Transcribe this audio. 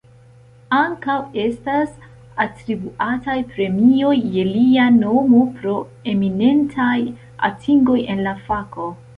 Ankaŭ estas atribuataj premioj je lia nomo pro eminentaj atingoj en la fako.